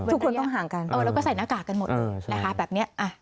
ทุกคนต้องห่างกันแล้วก็ใส่หน้ากากกันหมดนะคะแบบนี้